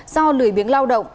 do lười biến lao động